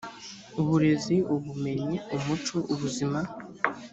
uburezi ubumenyi umuco ubuzima